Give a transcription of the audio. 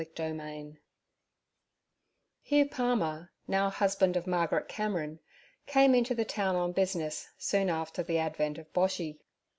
Chapter 7 HUGH PALMER, now husband of Margaret Cameron, came into the town on business soon after the advent of Boshy.